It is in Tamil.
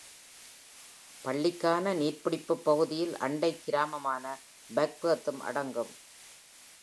பள்ளிக்கான நீர்ப்பிடிப்பு பகுதியில் அண்டை கிராமமான Bagworth-ம் அடங்கும்.